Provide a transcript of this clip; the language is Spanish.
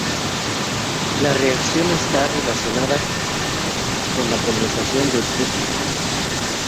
La reacción está relacionada con la condensación de Dieckmann.